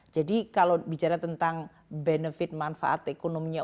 jadi kalau bicara tentang benefit manfaat ekonominya